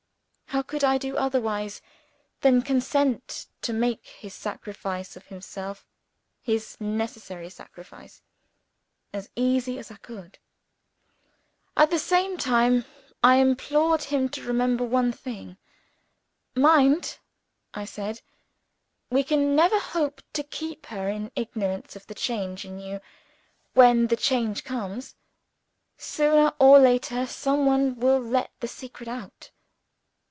How could I do otherwise than consent to make his sacrifice of himself his necessary sacrifice as easy as I could? At the same time, I implored him to remember one thing. "Mind," I said, "we can never hope to keep her in ignorance of the change in you, when the change comes. Sooner or later, some one will let the secret out."